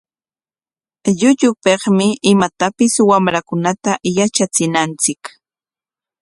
Llullupikmi imatapis wamrakunata yatrachinanchik.